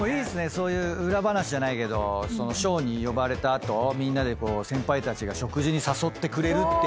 そういう裏話じゃないけど賞に呼ばれた後先輩たちが食事に誘ってくれるっていうね。